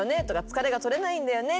「疲れが取れないんだよね」